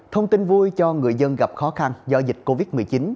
thông tin vui cho người dân gặp khó khăn do dịch covid một mươi chín